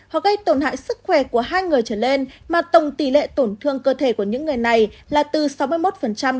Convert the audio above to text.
họ gây tổn hại sức khỏe của hai người trở lên mà tổng tỷ lệ tổn thương cơ thể của những người này là từ sáu mươi một đến một trăm hai mươi một